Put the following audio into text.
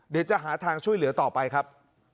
เดี๋ยวจะหาทางช่วยเหลือต่อไปครับ